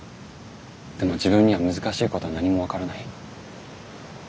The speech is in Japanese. でも自分には難しいことは何も分からない。